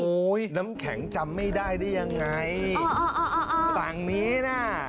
โอ้ยโน้มแข็งจำไม่ได้ได้ยังไงอ่าต่างนี้น่ะ